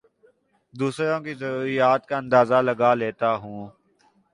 دوسروں کی ضروریات کا اندازہ لگا لیتا ہوں